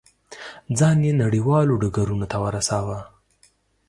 ځان یې نړیوالو ډګرونو ته ورساوه.